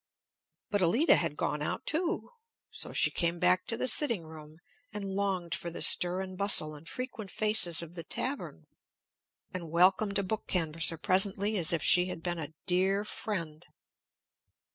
But Allida had gone out, too; so she came back to the sitting room, and longed for the stir and bustle and frequent faces of the tavern, and welcomed a book canvasser presently as if she had been a dear friend.